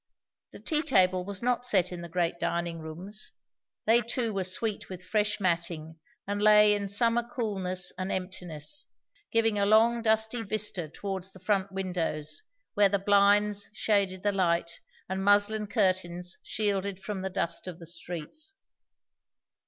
The tea table was not set in the great dining rooms; they too were sweet with fresh matting, and lay in summer coolness and emptiness, giving a long dusky vista towards the front windows, where the blinds shaded the light and muslin curtains shielded from the dust of the streets.